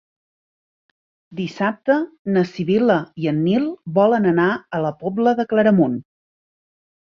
Dissabte na Sibil·la i en Nil volen anar a la Pobla de Claramunt.